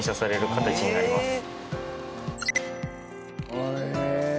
へえ！